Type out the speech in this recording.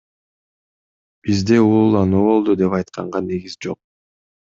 Бизде уулануу болду деп айтканга негиз жок.